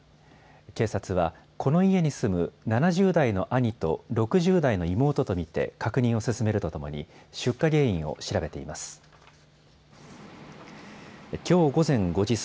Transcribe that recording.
警察は、この家に住む７０代の兄と６０代の妹と見て、確認を進めるとともに、出火原因を調べています。